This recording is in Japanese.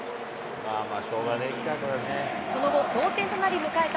その後、同点となり迎えた